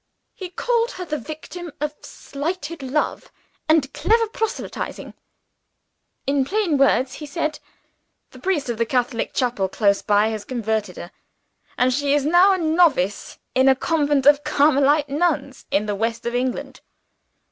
He called her the victim of slighted love and clever proselytizing. 'In plain words,' he said, 'the priest of the Catholic chapel close by has converted her; and she is now a novice in a convent of Carmelite nuns in the West of England.